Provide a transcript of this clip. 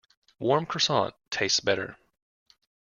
Warm Croissant tastes better.